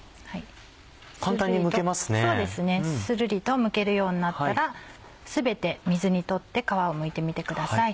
するりとむけるようになったら全て水に取って皮をむいてみてください。